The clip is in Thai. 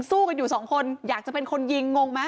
สู้กันอยู่สองคนอยากจะเป็นคนยิงงงไหม